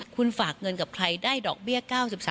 คุณฝากเงินกับใครได้ดอกเบี้ย๙๓